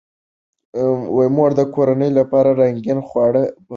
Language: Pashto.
مور د کورنۍ لپاره رنګین خواړه پخوي.